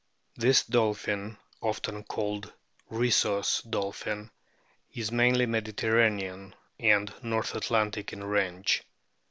This dolphin, often called Risso's dolphin, f is mainly Mediterranean and North Atlantic in range.